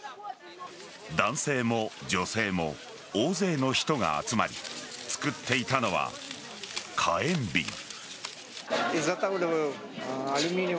男性も女性も大勢の人が集まり作っていたのは火炎瓶。